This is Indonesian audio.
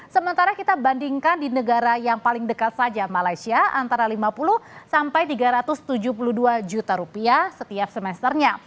sementara kita bandingkan di negara yang paling dekat saja malaysia antara lima puluh sampai tiga ratus tujuh puluh dua juta rupiah setiap semesternya